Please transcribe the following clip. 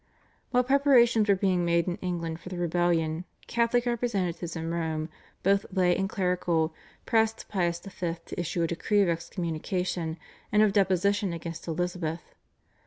While preparations were being made in England for the rebellion, Catholic representatives in Rome, both lay and clerical, pressed Pius V. to issue a decree of excommunication and of deposition against Elizabeth.